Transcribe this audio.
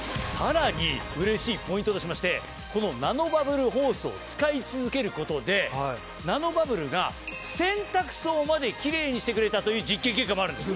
うれしいポイントとしましてこのナノバブルホースを使い続けることでナノバブルが洗濯槽までキレイにしてくれたという実験結果もあるんです。